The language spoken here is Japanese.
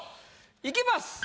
いきます。